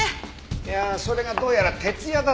いやそれがどうやら徹夜だったみたいで。